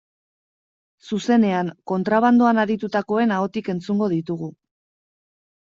Zuzenean, kontrabandoan aritutakoen ahotik entzungo ditugu.